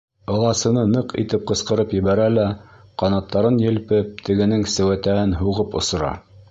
Ыласыны ныҡ итеп ҡысҡырып ебәрә лә, ҡанаттарын елпеп, тегенең сеүәтәһен һуғып осора.